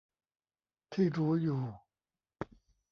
ที่รู้อยู่